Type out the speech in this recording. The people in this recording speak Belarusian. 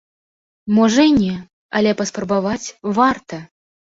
Можа і не, але паспрабаваць варта.